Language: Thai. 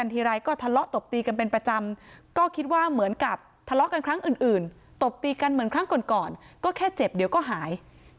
ตบตีกันเหมือนครั้งก่อนก็แค่เจ็บเดี๋ยวก็หาย